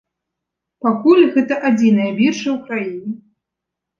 Пакуль гэта адзіная біржа ў краіне.